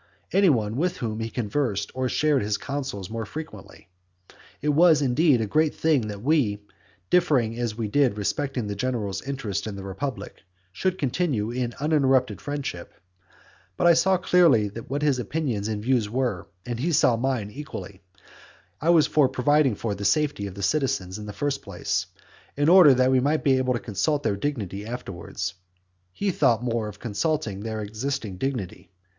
any one with whom he conversed or shared his counsels more frequently? It was, indeed, a great thing that we, differing as we did respecting the general interests of the republic, should continue in uninterrupted friendship. But I saw clearly what his opinions and views were, and he saw mine equally. I was for providing for the safety of the citizens in the first place, in order that we might be able to consult their dignity afterwards. He thought more of consulting their existing dignity.